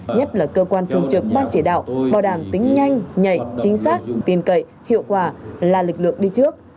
nhất là cơ quan thường trực ban chỉ đạo bảo đảm tính nhanh nhạy chính xác tin cậy hiệu quả là lực lượng đi trước